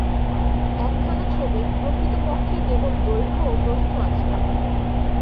একখানা ছবির প্রকৃতপক্ষে কেবল দৈর্ঘ্য ও প্রস্থ আছে।